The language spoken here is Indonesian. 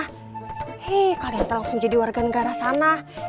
hei kalian langsung jadi warganegara sana